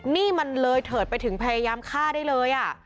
นี่มันเลยเถิดไปถึงพยายามฆ่าได้เลย